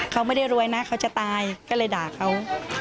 เขาไม่ได้รวยนะเขาจะตายก็เลยด่าเขา